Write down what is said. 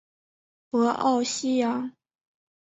博奥西扬。